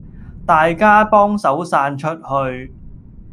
大家幫手散出去